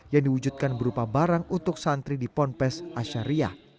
yang diwujudkan berupa barang untuk santri di ponpes asyariah